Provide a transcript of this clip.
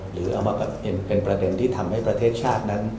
หรือเอามาเป็นประเด็นที่ทำให้ประเทศชาตินั้น